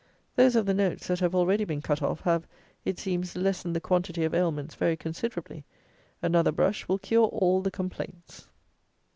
Those of the notes, that have already been cut off, have, it seems, lessened the quantity of ailments very considerably; another brush will cure all the complaints!